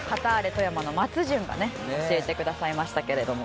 富山のまつじゅんがね教えてくださいましたけれども。